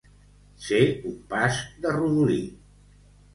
Ser un pas de rodolí.